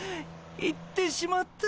行ってしまった。